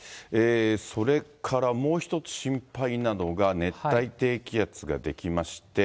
それからもう一つ心配なのが、熱帯低気圧が出来まして。